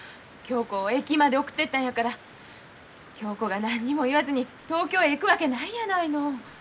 恭子を駅まで送ってったんやから恭子が何にも言わずに東京へ行くわけないやないの。